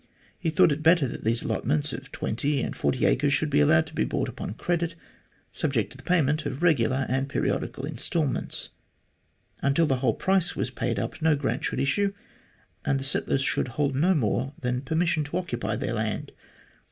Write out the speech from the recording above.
He thought it better that these allotments of 20 and 40 acres should be allowed to be bought upon credit, subject to the payment of regular and periodical instalments. Until the whole price was paid up no grant should issue, and the settlers should hold no more than permission to occupy their land.